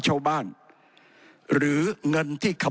ผมจะขออนุญาตให้ท่านอาจารย์วิทยุซึ่งรู้เรื่องกฎหมายดีเป็นผู้ชี้แจงนะครับ